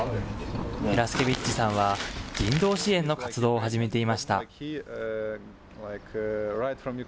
ヘラスケビッチさんは、人道支援の活動を始めていました。